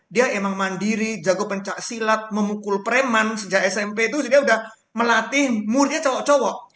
dia emang mandiri jago pencak silat memukul preman sejak smp itu dia udah melatih muridnya cowok cowok